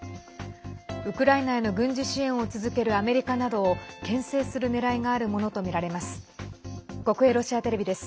ウクライナへの軍事支援を続けるアメリカなどをけん制するねらいがあるものとみられます。